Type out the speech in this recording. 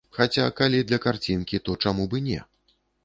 Хаця, калі для карцінкі, то чаму б і не?